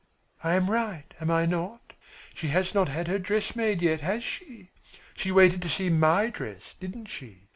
"I am right, am I not? She has not had her dress made yet, has she? She waited to see my dress, didn't she?